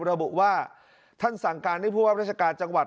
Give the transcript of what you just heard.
ระบุว่าท่านสั่งการให้ผู้ว่าราชการจังหวัด